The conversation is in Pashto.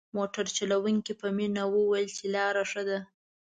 موټر چلوونکي په مينه وويل چې لاره ښه ده.